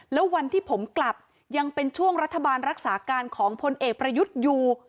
แล้ววันที่ผมกลับยังเป็นช่วงรัฐบาลรักษาการของพลเอกประยุทธ์อยู่